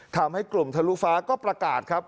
ทำให้กลุ่มทะลุฟ้าก็ประกาศครับ